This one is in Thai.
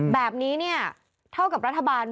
แบบนี้เนี่ยเท่ากับรัฐบาล